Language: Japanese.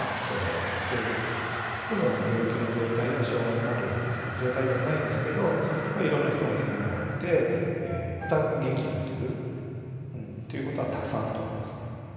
でも病気の状態や障害のあるような状態ではないですけどいろんな人がいるのを見てまた元気になってくということはたくさんあると思います。